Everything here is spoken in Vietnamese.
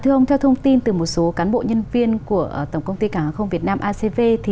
thưa ông theo thông tin từ một số cán bộ nhân viên của tổng công ty cảng hàng không việt nam acv